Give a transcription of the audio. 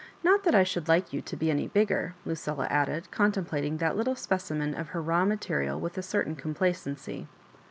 Not that I should like you to be any bigger," Lucilla added, contemplating that little specimen of her raw material with a certain complacency.